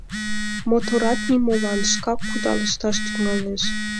Моторат нимолан: шкак кудалышташ тӱҥалеш.